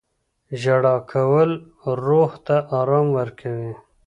• ژړا کول روح ته ارام ورکوي.